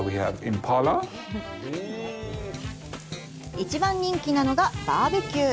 一番人気なのがバーベキュー。